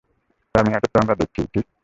Terminator তো আমরা দেখেছিই, ঠিক?